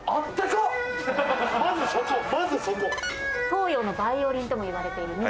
東洋のバイオリンともいわれている二胡。